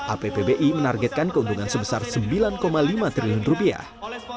appbi menargetkan keuntungan sebesar sembilan lima triliun rupiah